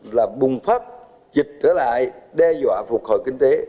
là bùng phát dịch trở lại đe dọa phục hồi kinh tế